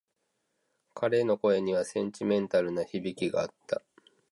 彼の声にはセンチメンタルな響きがあった。